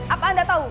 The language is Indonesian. apa anda tahu